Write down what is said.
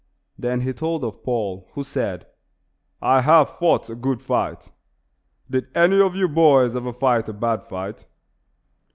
Then he told of Paul, who said, "I have fought a good fight." "Did any of you boys ever fight a bad fight?"